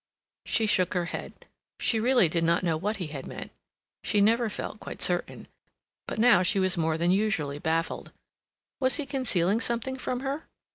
She shook her head. She really did not know what he had meant. She never felt quite certain; but now she was more than usually baffled. Was he concealing something from her?